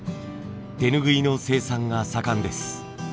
手ぬぐいの生産が盛んです。